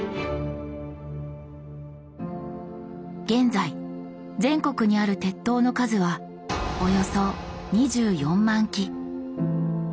現在全国にある鉄塔の数はおよそ２４万基。